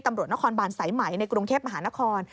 ตำรวจนครบาลไสมัยในกรุงเทพฯมหานคร